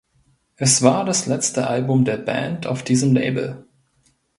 Es war das letzte Album der Band auf diesem Label.